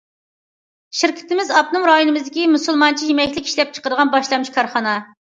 شىركىتىمىز ئاپتونوم رايونىمىزدىكى مۇسۇلمانچە يېمەكلىك ئىشلەپچىقىرىدىغان باشلامچى كارخانا.